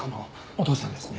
お父さんですね？